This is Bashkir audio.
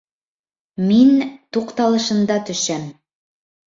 Мин... туҡталышында төшәм